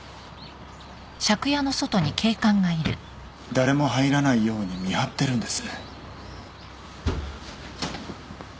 誰も入らないように見張ってるんです。